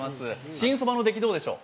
新そばの出来、どうでしょう？